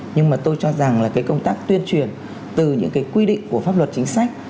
nhưng mà tôi cho rằng là cái công tác tuyên truyền từ những cái quy định của pháp luật chính sách